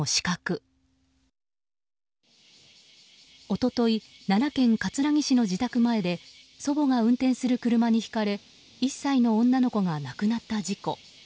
一昨日奈良県葛城市の自宅前で祖母が運転する車にひかれ１歳の女の子が亡くなった事故。